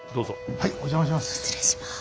はいお邪魔します。